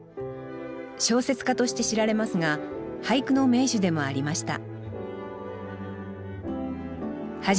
小説家として知られますが俳句の名手でもありました